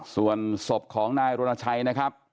ส่วนศพของหน้ารวนาชัยนะครับ